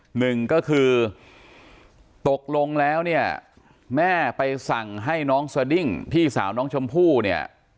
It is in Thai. หนึ่งก็คือตกลงแล้วเนี่ยแม่ไปสั่งให้น้องสดิ้งพี่สาวน้องชมพู่เนี่ย